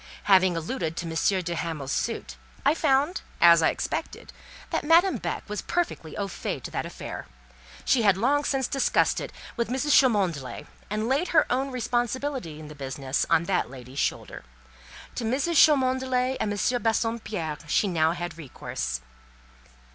Having alluded to M. de Hamal's suit, I found, as I expected, that Madame Beck was perfectly au fait to that affair. She had long since discussed it with Mrs. Cholmondeley, and laid her own responsibility in the business on that lady's shoulders. To Mrs. Cholmondeley and M. de Bassompierre she now had recourse.